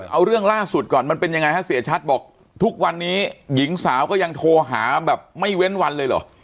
เอาเรื่องล่าสุดก่อนมันเป็นยังไงฮะเสียชัดบอกทุกวันนี้หญิงสาวก็ยังโทรหาแบบไม่เว้นวันเลยเหรอ